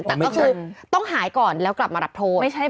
แต่ก็คือต้องหายก่อนแล้วกลับมารับโทษ